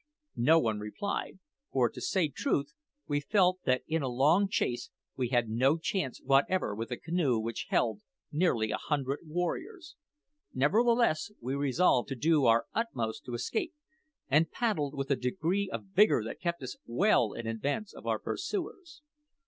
No one replied; for, to say truth, we felt that in a long chase we had no chance whatever with a canoe which held nearly a hundred warriors. Nevertheless, we resolved to do our utmost to escape, and paddled with a degree of vigour that kept us well in advance of our pursuers.